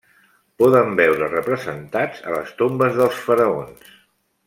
Poden veure's representats a les tombes dels faraons.